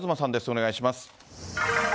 お願いします。